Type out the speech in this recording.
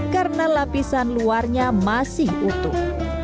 karena lapisan luarnya masih utuh